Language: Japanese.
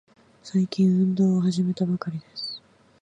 最近、運動を始めたばかりです。